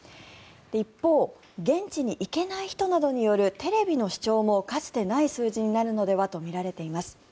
一方現地に行けない人などによるテレビの視聴もかつてない数字になるのではとみられています。